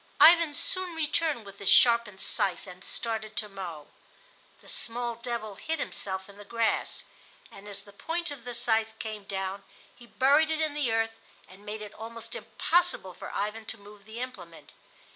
Ivan soon returned with his sharpened scythe and started to mow. The small devil hid himself in the grass, and as the point of the scythe came down he buried it in the earth and made it almost impossible for Ivan to move the implement.